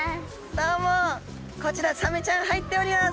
どうもこちらサメちゃん入っております。